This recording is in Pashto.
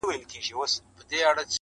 o په زر چنده مرگ بهتره دی.